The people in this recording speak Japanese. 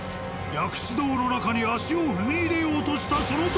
薬師堂の中に足を踏み入れようとした。